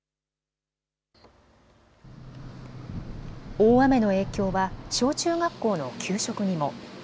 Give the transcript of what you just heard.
大雨の影響は小中学校の給食にも。